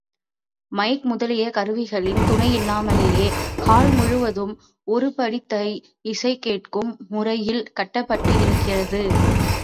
Mic முதலிய கருவிகளின் துணையில்லாமலேயே ஹால் முழுவதும் ஒருபடித்தாய் இசை கேட்கும் முறையில் கட்டப்பட்டிருக்கிறது.